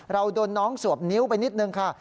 เราโดนน้องสวบนิ้วไปนิดนึงค่ะ